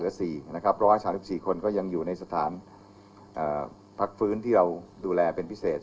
๑๓๔คนก็ยังอยู่ในสถานพักฟื้นที่เราดูแลเป็นพิเศษ